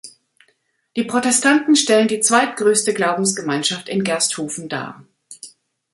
Die Protestanten stellen die zweitgrößte Glaubensgemeinschaft in Gersthofen dar.